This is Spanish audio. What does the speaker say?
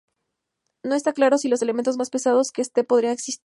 No está claro si los elementos más pesados que este podrían existir.